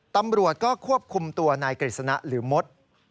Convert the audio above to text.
ตำรวจก็ควบคุมตัวนายกฤษณะหรือมด